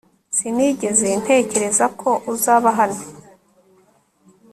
sinigeze ntekereza ko uzaba hano